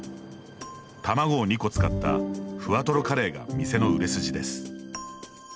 卵を２個使ったふわとろカレーが店の売れ筋です。